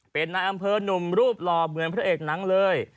เป็นนายอำเภอหนุ่มรูปหล่อเหมือนพระเอกหนังเลย